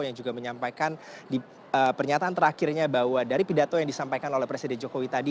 yang juga menyampaikan di pernyataan terakhirnya bahwa dari pidato yang disampaikan oleh presiden jokowi tadi